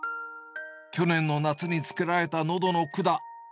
去年の夏につけられたのどの管。